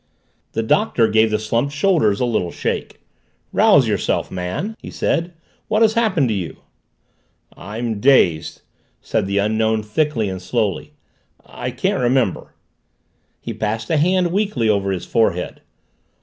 The Doctor gave the slumped shoulders a little shake. "Rouse yourself, man!" he said. "What has happened to you?" "I'm dazed!" said the Unknown thickly and slowly. "I can't remember." He passed a hand weakly over his forehead.